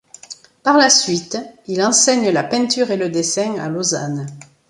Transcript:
Par la suite, il enseigne la peinture et le dessin à Lausanne.